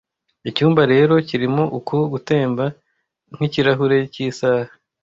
Icyumba rero kirimo uku gutemba nkikirahure cyisaha